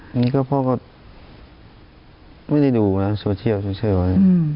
อันนี้ก็พ่อก็ไม่ได้ดูนะโซเชียลโซเชียลไว้